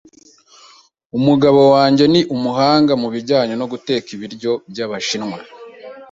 Umugabo wanjye ni umuhanga mubijyanye no guteka ibiryo byabashinwa.